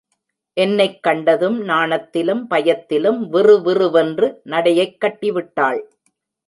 என்னைக் கண்டதும், நாணத்திலும் பயத்திலும் விறுவிறுவென்று நடையைக் கட்டிவிட்டாள்!